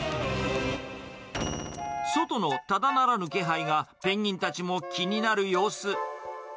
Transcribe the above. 外のただならぬ気配が、ペンギンたちも気になる様子。